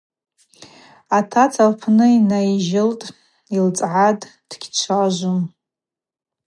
Йтаца лпны йнайжьылтӏ, йылцӏгӏан – дгьчважвум.